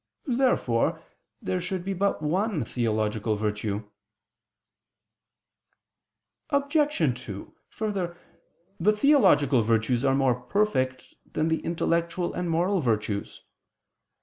Therefore there should be but one theological virtue. Obj. 2: Further, the theological virtues are more perfect than the intellectual and moral virtues.